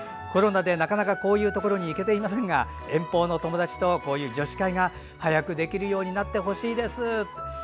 コロナでなかなかこういうところに行けていませんが遠方の友達と、こういう女子会が早くできるようになってほしいです。